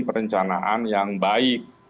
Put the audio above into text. perencanaan yang baik